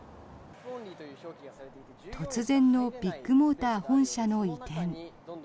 突然のビッグモーター本社の移転。